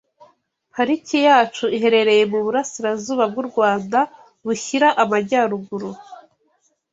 pariki yacu iherereye mu burasirazuba bw’u Rwanda bushyira amajyaruguru